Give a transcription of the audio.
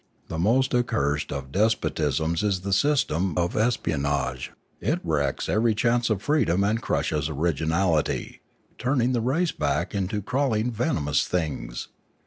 The most accursed of despotisms is the system of espion age; it wrecks every chance of freedom and crushes originality, turning the race back into crawling venom ous things.